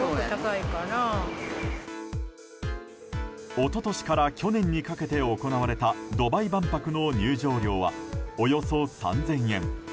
一昨年から去年にかけて行われたドバイ万博の入場料はおよそ３０００円。